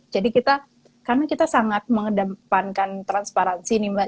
jadi kita karena kita sangat mengedepankan transparansi nih mbak